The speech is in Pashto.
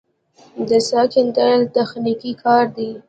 د څاه کیندل تخنیکي کار دی